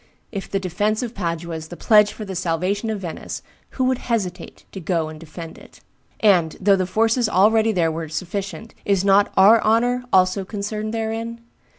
If the defence of Padua is the pledge for the salvation of Venice, who would hesitate to go and defend it? And, though the forces already there were sufficient, is not our honor also concerned therein?